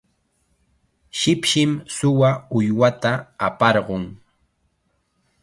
shipshim suwa uywata aparqun.